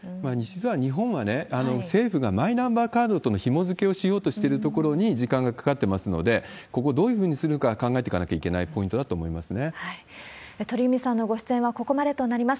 日本はね、政府がマイナンバーカードとのひもづけをしようとしてるところに時間がかかってますので、ここ、どういうふうにするか考えていかなきゃいけないポイントだと思い鳥海さんのご出演はここまでとなります。